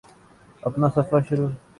اپنا سفر شروع کرتے ہیں